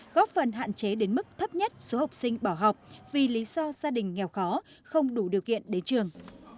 góp phần hạn chế đến mức thấp nhất số học sinh bỏ học vì lý do gia đình nghèo khó không đủ điều kiện đến trường